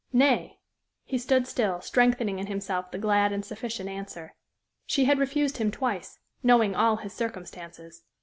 Nay! He stood still, strengthening in himself the glad and sufficient answer. She had refused him twice knowing all his circumstances.